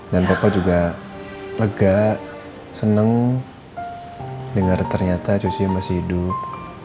dan papa juga lega seneng dengar ternyata cucian masih hidup